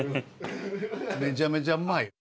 めちゃめちゃうまい。